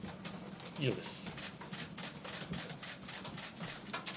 以上です。